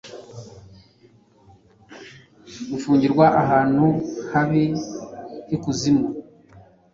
Gufungirwa ahantu habihaikuzimu